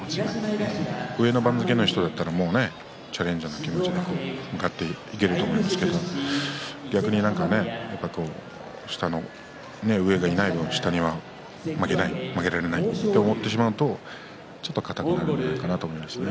上の番付の人だったらチャレンジの気持ち向かっていけると思うんですけれど、逆に何かね上がいない分下には負けられないと思ってしまうとちょっと硬くなるんじゃないかなと思います。